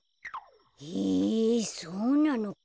へえそうなのか。